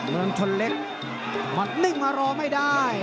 เมืองชนเล็กหมัดนิ่งมารอไม่ได้